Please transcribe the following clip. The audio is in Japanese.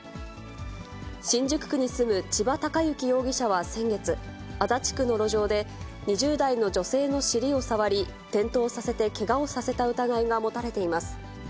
新宿区に住む千葉貴之容疑者は先月、足立区の路上で、２０代の女性の尻を触り、転倒させてけがをさせた疑いが持たれています。